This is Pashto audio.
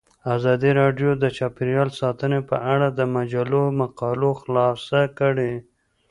ازادي راډیو د چاپیریال ساتنه په اړه د مجلو مقالو خلاصه کړې.